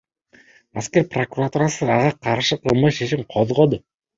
Аскер прокуратурасы ага каршы кылмыш ишин козгоду.